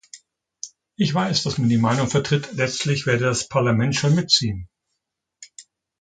Ich weiß, dass man die Meinung vertritt, letztlich werde das Parlament schon mitziehen.